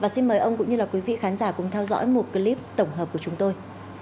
xin mời ông cũng như quý vị khán giả cùng theo dõi một clip tổng hợp của chúng tôi